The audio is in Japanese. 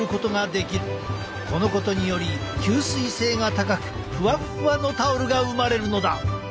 このことにより吸水性が高くふわふわのタオルが生まれるのだ！